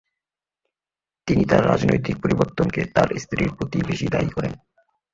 তিনি তাঁর রাজনৈতিক পরিবর্তনকে তাঁর স্ত্রীর প্রতিই বেশি দায়ী করেন।